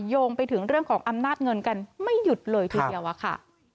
โยงไปถึงเรื่องของอำนาจเงินกันไม่หยุดเลยทีเดียวอะค่ะ